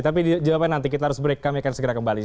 tapi dijawabkan nanti kita harus break kami akan segera kembali